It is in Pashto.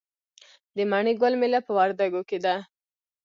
د مڼې ګل میله په وردګو کې ده.